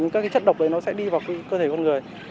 các chất độc đấy nó sẽ đi vào cơ thể con người